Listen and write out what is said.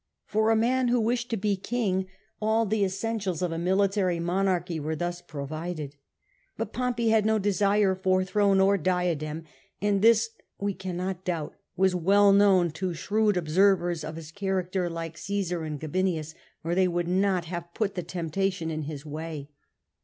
Por a man who wished to be king, all the essentials of a military monarchy were thus provided. But Pompey had no desire for throne or diadem, and this (we can not doubt) was well known to shrewd observers of his character like Csesar and Gabinius, or they would not have put the temptation in his way.